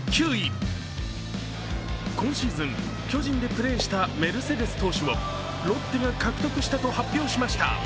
今シーズン巨人でプレーしたメルセデス投手をロッテが獲得したと発表しました。